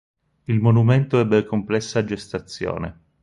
Il monumento ebbe complessa gestazione.